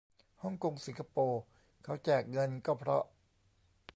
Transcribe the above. ฮ่องกง สิงคโปร์ เขาแจกเงิน ก็เพราะ